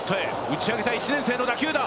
打ち上げた、１年生の打球だ。